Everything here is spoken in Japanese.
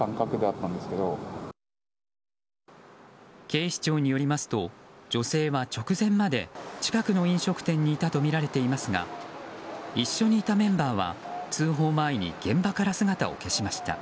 警視庁によりますと女性は直前まで近くの飲食店にいたとみられていますが一緒にいたメンバーは通報前に現場から姿を消しました。